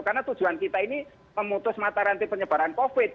karena tujuan kita ini memutus mata rantai penyebaran covid